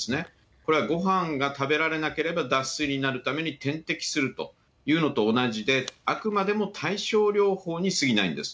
これはごはんが食べられなければ脱水になるために点滴するというのと同じで、あくまでも対症療法にすぎないんです。